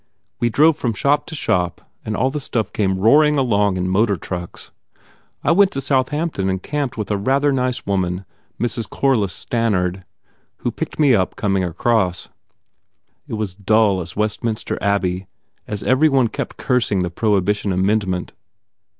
We drove from shop to shop and all the stuff came roaring along in motor trucks. I went to Southampton and camped with a rather nice woman, Mrs. Corliss Stannard, who picked me up coming across. It was dull as Westminster Abbey as every one kept cursing the Prohibition amendment.